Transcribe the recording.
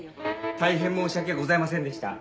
大変申し訳ございませんでした。